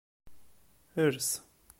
Ers.